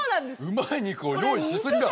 うまい肉を用意しすぎだ。